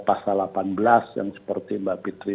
pasal delapan belas yang seperti mbak fitri